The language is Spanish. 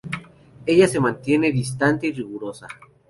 Ella se mantiene distante y rigurosa.